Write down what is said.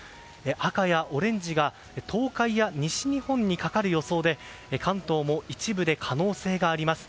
赤やオレンジが東海や西日本にかかる予想で関東も一部で可能性があります。